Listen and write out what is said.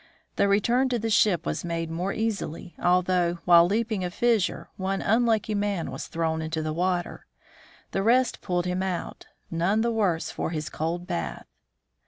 The return to the ship was made more easily, although, while leaping a fissure, one unlucky man was thrown into the water. The rest pulled him out, none the worse for his cold bath.